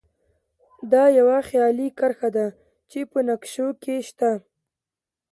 دا یوه خیالي کرښه ده چې په نقشو کې شته